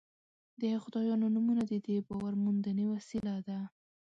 د خدایانو نومونه د دې باور موندنې وسیله ده.